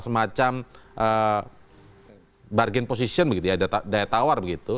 semacam bargain position daya tawar